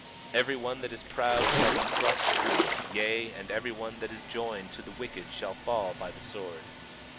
23:15 Every one that is proud shall be thrust through; yea, and every one that is joined to the wicked shall fall by the sword.